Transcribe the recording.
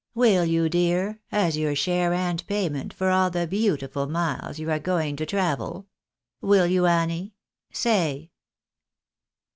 ^Vill you, dear, as your share and pay ment for all the beautiful miles you are going to travel ? Will you, Annie?— Say."